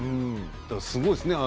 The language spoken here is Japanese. すごいですね。